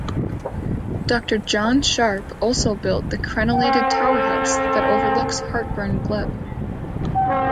Doctor John Sharpe also built the crenellated Tower House that overlooks Hartburn Glebe.